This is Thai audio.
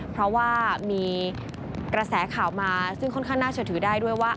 เพราะว่ามีกระแสข่าวมาซึ่งค่อนข้างน่าเชื่อถือได้ด้วยว่า